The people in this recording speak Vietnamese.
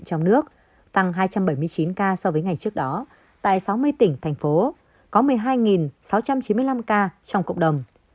trong nước tăng hai trăm bảy mươi chín ca so với ngày trước đó tại sáu mươi tỉnh thành phố có một mươi hai sáu trăm chín mươi năm ca trong cộng đồng